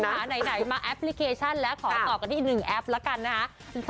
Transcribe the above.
ถ้าคุณผู้ชมหาไหนมาแอปพลิเคชันแล้วขอตอบกันที่หนึ่งแอปแล้วกันนะฮะ